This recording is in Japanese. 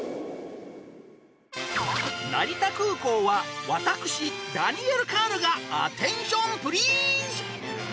成田空港は私ダニエル・カールがアテンションプリーズ！